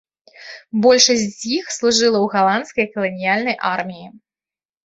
Большасць з іх служыла ў галандскай каланіяльнай арміі.